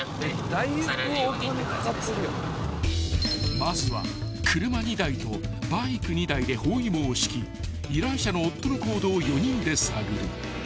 ［まずは車２台とバイク２台で包囲網を敷き依頼者の夫の行動を４人で探る］